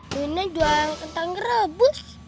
bu wina jual kentang rebus